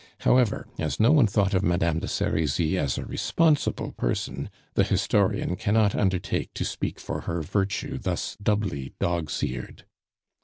However, as no one thought of Madame de Serizy as a responsible person, the historian cannot undertake to speak for her virtue thus doubly dog's eared.